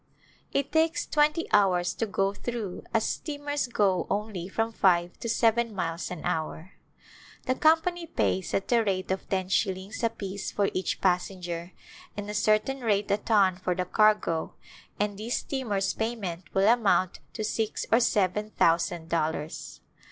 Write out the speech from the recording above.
It takes twenty hours to go through as steamers go only from five to seven miles an hour. The company pays at the rate of ten shillings apiece for each passenger and a certain rate a ton for the cargo, and this steamer's payment will amount to six or seven thousand dollars.